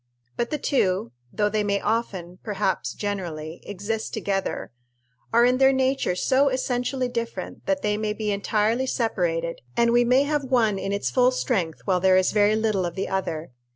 But the two, though they may often perhaps generally exist together, are in their nature so essentially different that they may be entirely separated, and we may have one in its full strength while there is very little of the other.